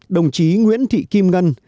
đồng chí nguyễn thị kim ngân